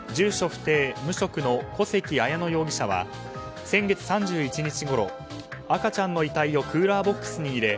不定・無職の小関彩乃容疑者は先月３１日ごろ赤ちゃんの遺体をクーラーボックスに入れ